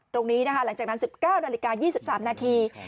ตรงนี้นะคะหลังจากนั้น๑๙นาฬิกา๒๓นาที